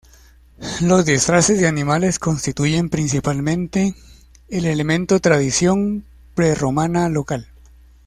Los disfraces de animales constituyen principalmente el elemento tradición prerromana local.